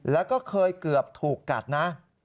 แล้วก็เคยเกือบถูกกัดนะ